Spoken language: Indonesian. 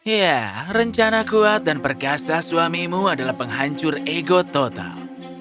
ya rencana kuat dan perkasa suamimu adalah penghancur ego total